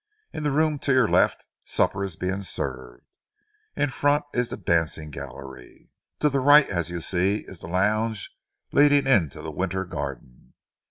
In the room to your left, supper is being served. In front is the dancing gallery. To the right, as you see, is the lounge leading into the winter garden.